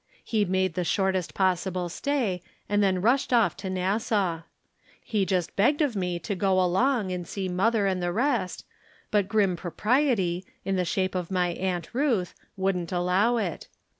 He made the shortest possible stay, and then rushed off to Nassau. He just begged of me to go along and see mother and the rest, but grim From Different Standpoints. 89 Propriety, in the shape of my Aunt Ruth, wouldn't allow it.